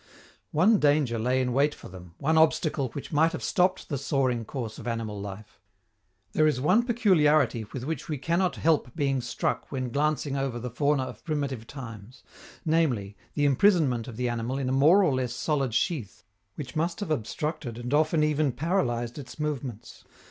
One danger lay in wait for them, one obstacle which might have stopped the soaring course of animal life. There is one peculiarity with which we cannot help being struck when glancing over the fauna of primitive times, namely, the imprisonment of the animal in a more or less solid sheath, which must have obstructed and often even paralyzed its movements.